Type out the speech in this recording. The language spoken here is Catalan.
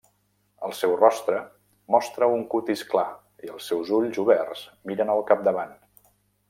El seu rostre mostra un cutis clar i els seus ulls oberts miren al capdavant.